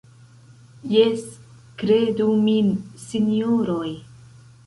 Jes, kredu min, sinjoroj.